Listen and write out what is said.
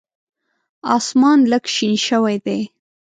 اسمان لږ شین شوی دی .